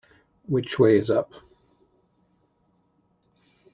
Which Way Is Up?